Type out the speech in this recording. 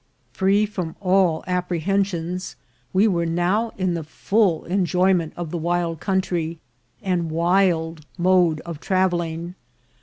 Free from all apprehensions, we were now in the full enjoyment of the wild country and wild mode of trav elling.